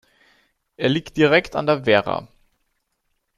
Er liegt direkt an der Werra.